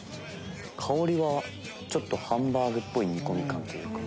香りはハンバーグっぽい煮込み感というか。